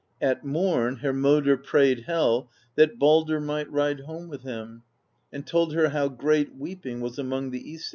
At morn Hermodr prayed Hel that Baldr might ride home with him, and told her how great weep ing was among the iEsir.